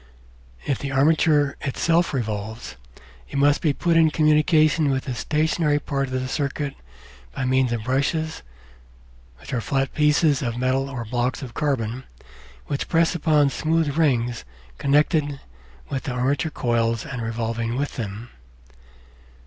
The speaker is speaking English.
If the armature itself revolves, it must be put in communication with the stationary part of the circuit by means of brushes flat pieces of metal or blocks of carbon which press upon smooth rings connected with the armature coils and revolving with them.